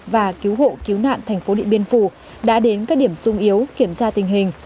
và cứu hộ cứu nạn thành phố điện biên phủ đã đến các điểm sung yếu kiểm tra tình hình